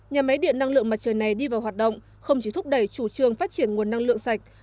nhà máy điện năng lượng mặt trời này đi vào hoạt động không chỉ thúc đẩy chủ trương phát triển nguồn năng lượng sạch